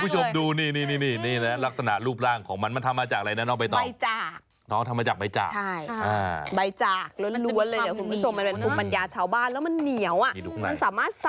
คุณดูมันเป็นแบบว่าภูมิปัญญาชาวบ้านหมาน้ำ